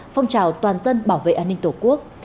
phong trào toàn dân bảo vệ an ninh tổ quốc